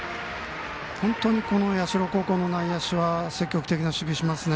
本当に社高校の内野手は積極的な守備をしますね。